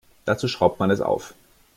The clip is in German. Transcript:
Dazu schraubt man es auf.